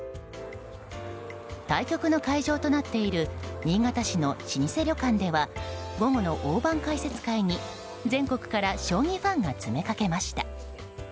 対局の会場となっている新潟市の老舗旅館では午後の大盤解説会に全国から将棋ファンが詰めかけました。